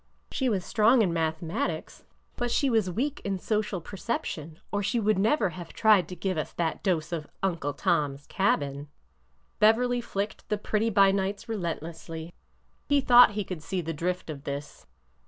She was strong in mathematics, but she was weak in social ORDER NO. 11 15 perception, or she would never have tried to give us that dose of ' Uncle Tom's Cabin.' " Beverly flicked the pretty by nights relentlessly. He thought he could see the drift of this.